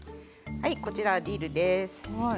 こちらはディルです。